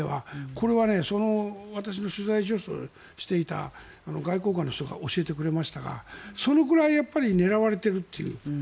これは私の取材助手をしていた外交官の人が教えてくれましたがそのくらい狙われているという。